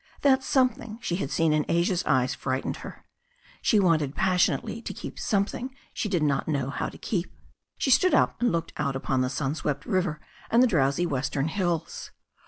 That something she had seen in Asia's eyes fright ened her. She wanted passionately to keep something she did not know how to keep. She stood up and looked out upon the sun swept river and the drowsy western hills.